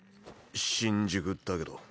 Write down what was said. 新宿だけど。